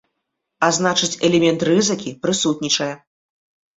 А значыць, элемент рызыкі прысутнічае.